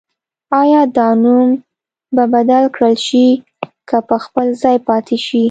آیا دا نوم به بدل کړل شي که په خپل ځای پاتې شي؟